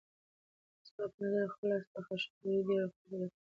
زما په نظر په خپل لاس پخه شوې ډوډۍ ډېرې روغتیايي ګټې لري.